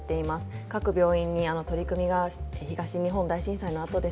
各病院に取り組みが東日本大震災のあとですね